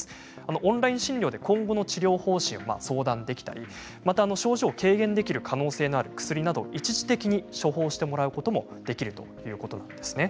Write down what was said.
オンライン診療で今後の治療方針を相談できたり症状を軽減できる可能性のある薬などを一時的に処方してもらうこともできるということなんです。